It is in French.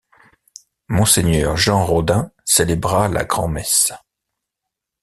Mgr Jean Rodhain célébra la grand-messe.